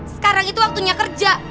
sekarang itu waktunya kerja